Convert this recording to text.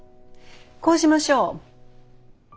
こうしましょう。